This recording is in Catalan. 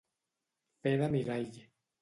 Fer de mirall.